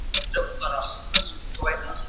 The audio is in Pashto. موږ د ملکیار په ژبنۍ برخه بحث کوو.